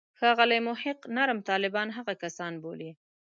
ښاغلی محق نرم طالبان هغه کسان بولي.